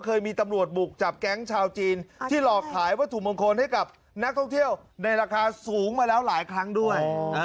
เคยมีตำรวจบุกจับแก๊งชาวจีนที่หลอกขายวัตถุมงคลให้กับนักท่องเที่ยวในราคาสูงมาแล้วหลายครั้งด้วย